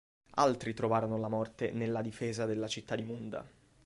Altri trovarono la morte nella difesa della città di Munda.